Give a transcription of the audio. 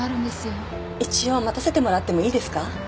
一応待たせてもらってもいいですか？